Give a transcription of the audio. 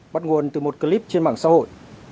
bắt nguồn từ một clip trên mạng xã hội